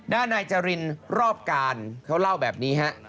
นายจรินรอบการเขาเล่าแบบนี้ฮะ